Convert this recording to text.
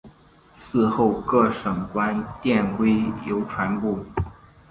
嗣后各省官电归邮传部。